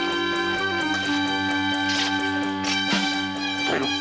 答えろ！